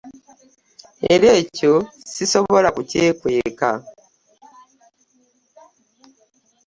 Era ekyo sisobola kukyekweka